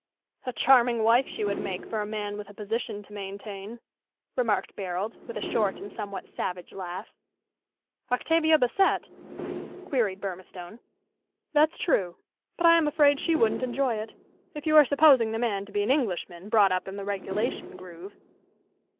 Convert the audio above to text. "A charming wife she would make, for a man with a position to maintain," remarked Barold, with a short and somewhat savage laugh. "Octavia Bassett?" queried Burmistone. "That's true. But I am afraid she wouldn't enjoy it if you are supposing the man to be an Englishman, brought up in the regulation groove."